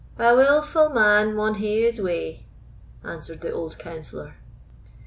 "A wilful man maun hae his way," answered the old counsellor.